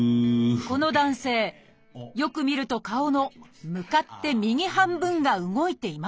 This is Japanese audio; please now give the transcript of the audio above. この男性よく見ると顔の向かって右半分が動いていません。